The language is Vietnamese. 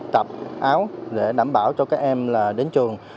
tập áo để đảm bảo cho các em đến trường